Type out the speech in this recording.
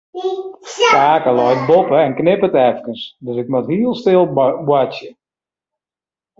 Pake leit boppe en knipperet efkes, dus ik moat heel stil boartsje.